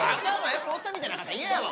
やっぱおっさんみたいな赤ちゃん嫌やわ。